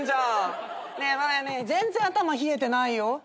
ねえ全然頭冷えてないよ。